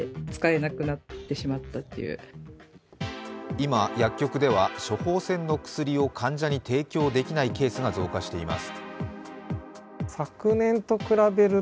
今薬局では処方箋の薬を患者に提供できないケースが増加しています。